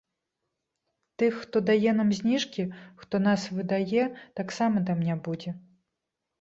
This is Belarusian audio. Тых, хто дае нам зніжкі, хто нас выдае, таксама там не будзе.